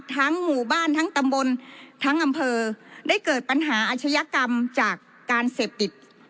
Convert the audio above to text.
หมู่บ้านทั้งตำบลทั้งอำเภอได้เกิดปัญหาอาชญากรรมจากการเสพติด